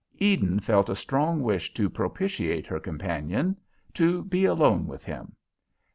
Eden felt a strong wish to propitiate her companion, to be alone with him.